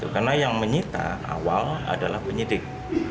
karena yang menyita awal adalah penyidik